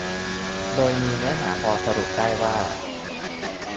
โดยมีเนื้อหาพอสรุปได้ว่า